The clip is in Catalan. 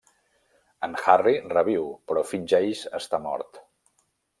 En Harry reviu, però fingeix estar mort.